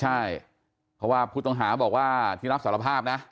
ใช่เพราะว่าผู้ต้องหาบอกว่าที่รับสารภาพนะ